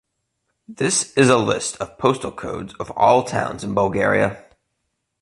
This is a list of postal codes of all towns in Bulgaria.